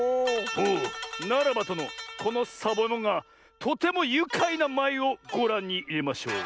おおならばとのこのサボえもんがとてもゆかいなまいをごらんにいれましょう。